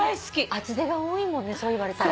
厚手が多いねそう言われたら。